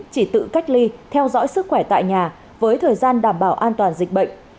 chỉ tự cách ly theo dõi sức khỏe tại nhà với thời gian đảm bảo an toàn dịch bệnh